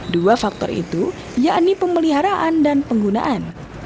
dua faktor itu yakni pemeliharaan dan penggunaan